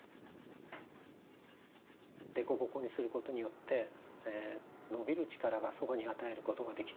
凸凹にすることによってのびる力が蕎麦に与えることができて。